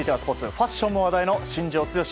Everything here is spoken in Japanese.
ファッションも話題の新庄剛志